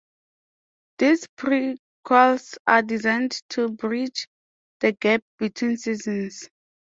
These prequels are designed to bridge the gap between seasons.